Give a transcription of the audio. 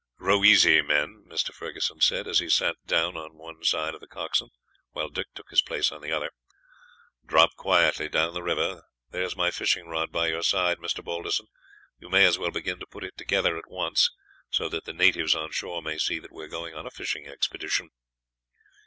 "Row easy, men," Mr. Ferguson said, as he sat down on one side of the coxswain, while Dick took his place on the other. "Drop quietly down the river. There is my fishing rod by your side, Mr. Balderson; you may as well begin to put it together at once, so that the natives on shore may see that we are going on a fishing expedition."